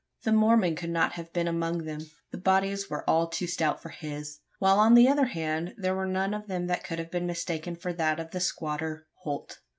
The Mormon could not have been among them: the bodies were all too stout for his; while, on the other hand, there was none of them that could have been mistaken for that of the squatter, Holt.